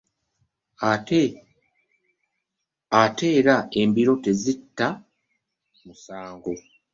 Ate era embiro tezitta musango .